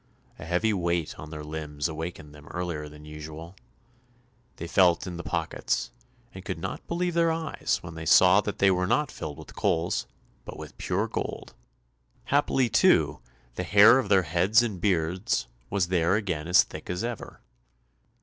A heavy weight on their limbs awakened them earlier than usual. They felt in the pockets, and could not believe their eyes when they saw that they were not filled with coals, but with pure gold; happily, too, the hair of their heads and beards was there again as thick as ever.